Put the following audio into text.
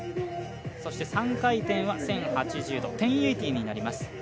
そして３回転は１０８０度１０８０になります。